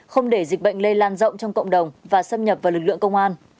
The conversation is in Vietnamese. không để dịch bệnh lây lan rộng trong cộng đồng và xâm nhập vào lực lượng công an